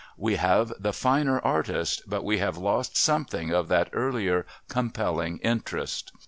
We have the finer artist, but we have lost something of that earlier compelling interest.